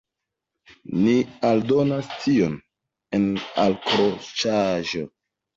Ni aldonas tion en alkroĉaĵo.